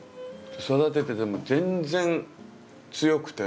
育てていても全然強くて。